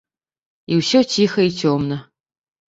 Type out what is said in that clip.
І ўсё ціха і цёмна.